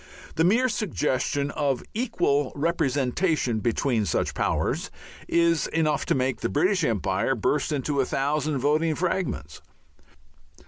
The mere suggestion of equal representation between such "powers" is enough to make the British Empire burst into a thousand (voting) fragments.